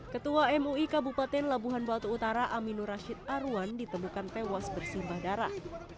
ketua mui kabupaten labuhan batu utara aminur rashid arwan ditemukan tewas bersimbah darah